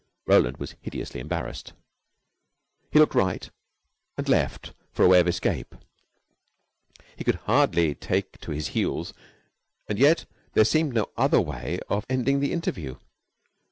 Roland was hideously embarrassed. He looked right and left for a way of escape. He could hardly take to his heels, and yet there seemed no other way of ending the interview.